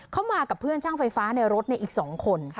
เขามากับเพื่อนช่างไฟฟ้าในรถอีก๒คน